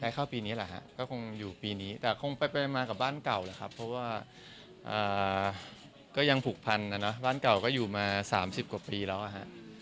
เข้าปีนี้แหละฮะก็คงอยู่ปีนี้แต่คงไปมากับบ้านเก่าแหละครับเพราะว่าก็ยังผูกพันนะเนาะบ้านเก่าก็อยู่มา๓๐กว่าปีแล้วอะฮะ